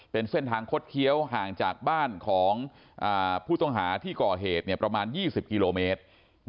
เป็นเส้นทางคดเคี้ยวห่างจากบ้านของผู้ต้องหาที่ก่อเหตุประมาณ๒๐กิโลเมตร